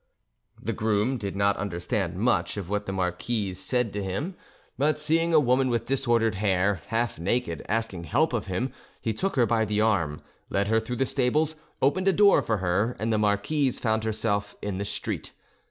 The groom did not understand much of what the marquise said to him; but seeing a woman with disordered hair, half naked, asking help of him, he took her by the arm, led her through the stables, opened a door for her, and the marquise found herself in the street.